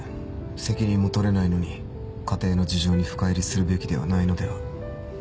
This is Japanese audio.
責任も取れないのに家庭の事情に深入りするべきではないのでは。